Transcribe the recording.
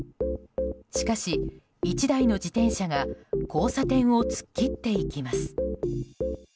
しかし、１台の自転車が交差点を突っ切っていきます。